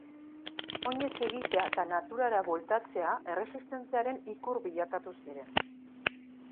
Oinez egitea eta naturara bueltatzea erresistentziaren ikur bilakatu ziren.